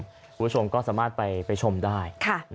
คุณผู้ชมก็สามารถไปชมได้